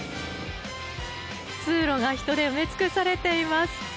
通路が人で埋め尽くされています。